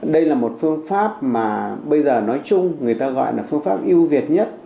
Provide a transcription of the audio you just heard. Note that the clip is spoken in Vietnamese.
đây là một phương pháp mà bây giờ nói chung người ta gọi là phương pháp yêu việt nhất